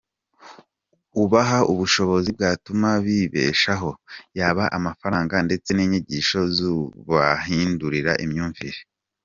Ubaha ubushobozi bwatuma bibeshaho yaba amafaranga ndetse n’inyigisho zo kubahindurira imyumvire.